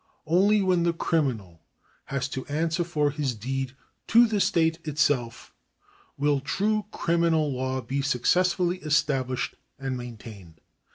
Only when the criminal has to answer for his deed to the state itself, will true criminal law be successfully estab lished and maintained.